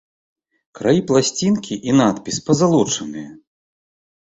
Краі пласцінкі і надпіс пазалочаныя.